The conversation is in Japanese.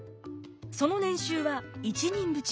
その年収は一人扶持。